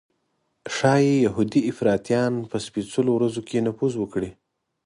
ښایي یهودي افراطیان په سپېڅلو ورځو کې نفوذ وکړي.